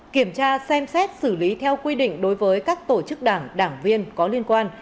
kiểm tra xem xét xử lý theo quy định đối với các tổ chức đảng đảng viên có liên quan